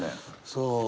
そう。